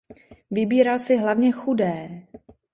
Vybíral si hlavně chudé.